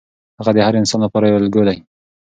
هغه د هر انسان لپاره یو الګو دی.